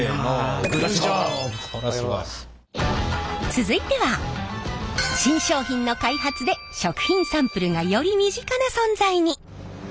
続いては新商品の開発で食品サンプルがより身近な存在に！